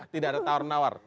tidak ada tawar nawar